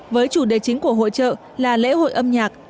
với chủ đề chính của hội trợ là lễ hội âm nhạc